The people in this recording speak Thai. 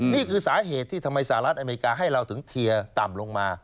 นี่คือสาเหตุที่ทำไมสหรัฐอเมริกาให้เราถึงเทียร์ต่ำลงมา